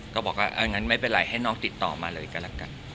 ก็บอกว่างั้นไม่เป็นไรให้น้องติดต่อมาเลยก็แล้วกัน